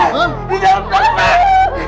di dalam tas